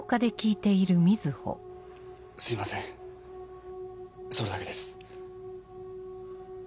・すいません・それだけです。